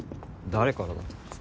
誰からだ？